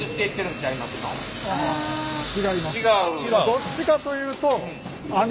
どっちかというとへえ。